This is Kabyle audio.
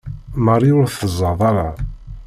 Marie ur tzad ara.